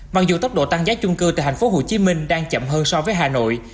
mặc dù tốc độ tăng giá chung cư tại tp hcm đang chậm hơn so với hà nội